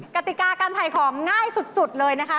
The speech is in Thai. กติกาการถ่ายของง่ายสุดเลยนะคะ